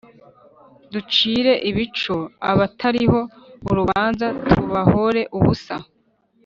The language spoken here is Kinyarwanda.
ducire ibico abatariho urubanza tubahore ubusa,